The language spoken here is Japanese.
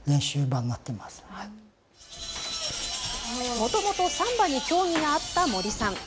もともとサンバに興味があった森さん。